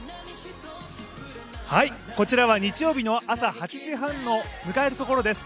こちらは日曜日の朝８時半を迎えるところです。